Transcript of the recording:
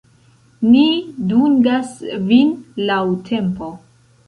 Ni dungas vin laŭ tempo.